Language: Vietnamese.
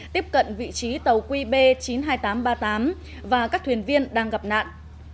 tiếp cận vị trí tàu qb chín mươi hai nghìn tám trăm ba mươi tám và các thuyền viên đang gặp nạn